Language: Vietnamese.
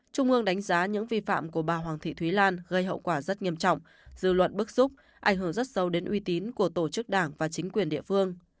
trung ương đánh giá những vi phạm của bà hoàng thị thúy lan gây hậu quả rất nghiêm trọng dư luận bức xúc ảnh hưởng rất sâu đến uy tín của tổ chức đảng và chính quyền địa phương